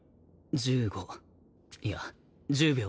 １５いや１０秒あれば。